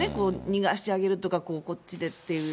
逃がしてあげるとか、こっちでっていう。